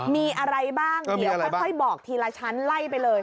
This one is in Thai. มีอะไรบ้างเดี๋ยวค่อยบอกทีละชั้นไล่ไปเลย